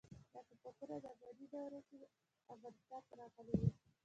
دا ټوپکونه د اماني دورې کې افغانستان ته راغلي وو.